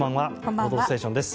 「報道ステーション」です。